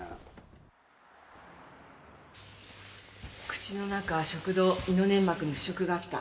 口の中食道胃の粘膜に腐食があった。